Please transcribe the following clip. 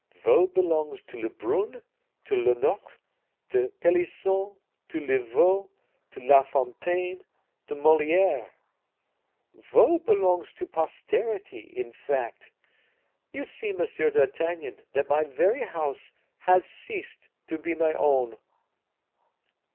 Vaux belongs to Lebrun, to Lenotre, to Pelisson, to Levau, to La Fontaine, to Moliere; Vaux belongs to posterity, in fact. You see, Monsieur d'Artagnan, that my very house has ceased to be my own."